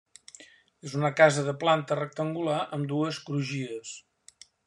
És una casa de planta rectangular amb dues crugies.